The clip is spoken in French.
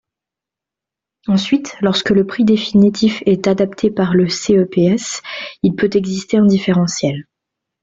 Ensuite, lorsque le prix définitif est adapté par le CEPS, il peut exister un différentiel.